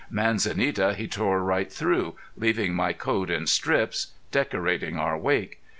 Manzanita he tore right through, leaving my coat in strips decorating our wake.